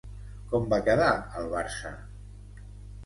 Com va quedar el barça?